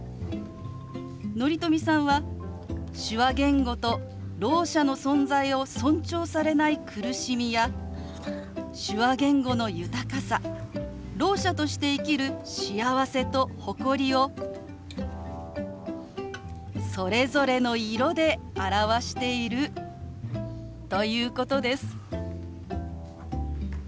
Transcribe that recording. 乘富さんは手話言語とろう者の存在を尊重されない苦しみや手話言語の豊かさろう者として生きる幸せと誇りをそれぞれの色で表しているということです。